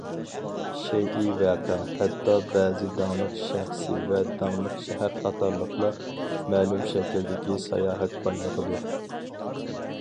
شەيئى، ۋەقە ھەتتا بەزى داڭلىق شەخس ۋە داڭلىق شەھەر قاتارلىقلار مەلۇم شەكىلدىكى ساياھەت بايلىقىدۇر.